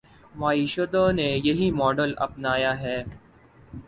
معیشتوں نے یہی ماڈل اپنایا ہے۔